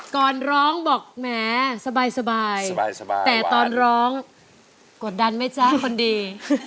ก่อนร้องบอกแหมสบายแต่ตอนร้องกดดันไหมจ๊ะคนดี